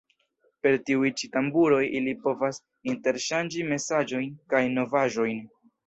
Per tiuj ĉi tamburoj ili povas interŝanĝi mesaĝojn kaj novaĵojn.